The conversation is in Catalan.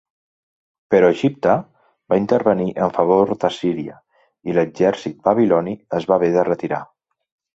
Però Egipte va intervenir en favor d'Assíria, i l'exèrcit babiloni es va haver de retirar.